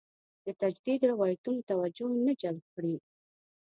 د تجدید روایتونه توجه نه جلب کړې.